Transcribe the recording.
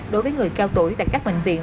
đối với người cao tuổi tại các bệnh viện